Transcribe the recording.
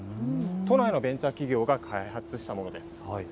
都内のベンチャー企業が開発したものです。